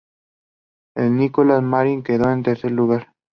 El Nicolás Marín quedó en tercer lugar.